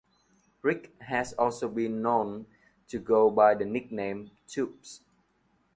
Rick has also been known to go by the nickname, "Tubes".